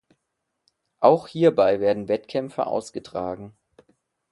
Auch hierbei werden Wettkämpfe ausgetragen.